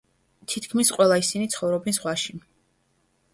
თითქმის ყველა ისინი ცხოვრობენ ზღვაში.